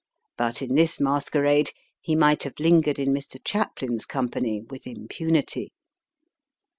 But in this masquerade he might have lingered in Mr. Chaplin's company with impunity.